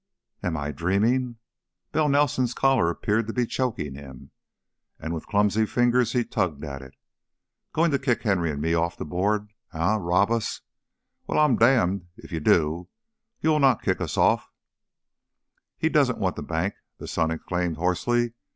"Am I dreaming?" Bell Nelson's collar appeared to be choking him, and with clumsy fingers he tugged at it. "Going to kick Henry and me off the board, eh? Rob us? Well, I'm damned if you do! You'll not kick us off " "He doesn't want the bank," the son exclaimed, hoarsely.